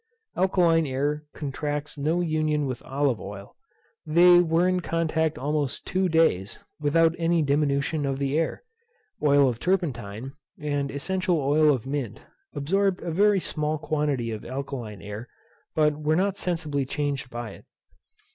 Alkaline air contracts no union with olive oil. They were in contact almost two days, without any diminution of the air. Oil of turpentine, and essential oil of mint, absorbed a very small quantity of alkaline air, but were not sensibly changed by it.